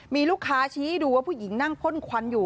มีลูกค้าชี้ดูว่าผู้หญิงนั่งพ่นควันอยู่